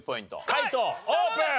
解答オープン。